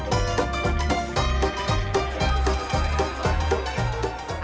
jalan ini mereka pilih untuk menghindari kemacetan di kawasan wisata puncak